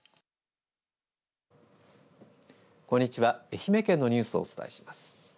愛媛県のニュースをお伝えします。